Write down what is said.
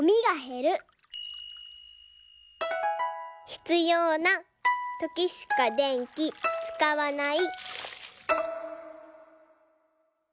「ひつようなときしか電気使わない」